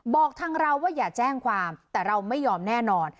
บอกทางเราว่าอย่าแจ้งความแต่เราไม่ยอมแน่นอน